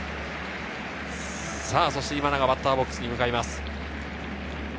今永、バッターボックスに向かいます。